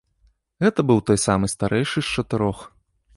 Гэта быў той самы старэйшы з чатырох.